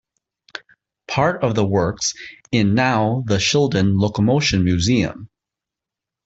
Part of the works in now the Shildon Locomotion Museum.